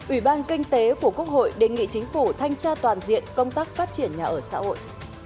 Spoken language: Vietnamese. ủy ban kinh tế của quốc hội đề nghị chính phủ thanh tra toàn diện công tác phát triển nhà ở xã hội